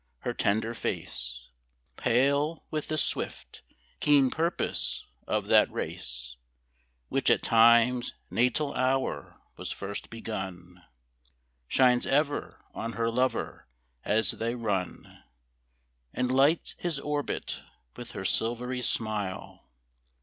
Her tender face, Pale with the swift, keen purpose of that race Which at Time's natal hour was first begun, Shines ever on her lover as they run And lights his orbit with her silvery smile.